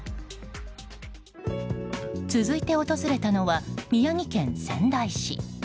続いて、訪れたのは宮城県仙台市。